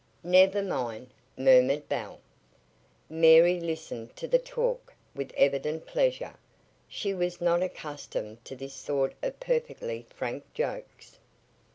"Never mind," murmured Belle. Mary listened to the talk with evident pleasure. She was not accustomed to this sort of perfectly frank jokes.